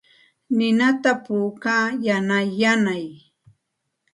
Ninata puukaa yanay yanay.